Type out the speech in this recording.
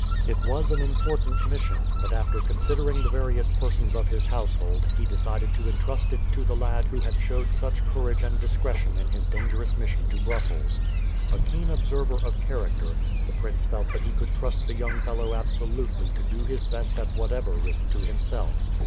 It was an important mission; but after considering the various persons of his household, he decided to intrust it to the lad who had showed such courage and discretion in his dangerous mission to Brussels. A keen observer of character, the prince felt that he could trust the young fellow absolutely to do his best at whatever risk to himself.